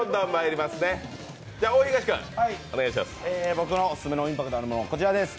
僕のオススメのインパクトのあるもの、こちらです。